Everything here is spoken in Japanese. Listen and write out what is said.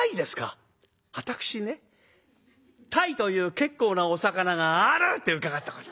私ね鯛という結構なお魚があるって伺ったことがある。